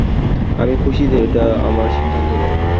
আমি খুশি যে এটা আমার সিদ্ধান্ত নয়।